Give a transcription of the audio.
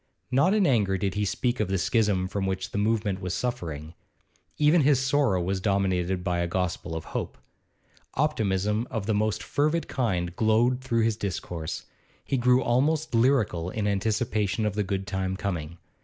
Not in anger did he speak of the schism from which the movement was suffering; even his sorrow was dominated by a gospel of hope. Optimism of the most fervid kind glowed through his discourse; he grew almost lyrical in his anticipation of the good time coming.